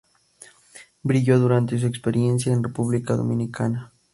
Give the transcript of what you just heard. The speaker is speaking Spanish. Brilló durante su experiencia en República Dominicana.